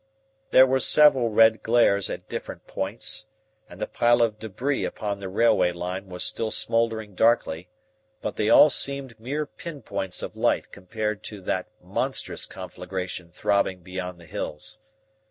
There were several red glares at different points, and the pile of debris upon the railway line was still smoldering darkly, but they all seemed mere pin points of light compared to that monstrous conflagration throbbing beyond the hills.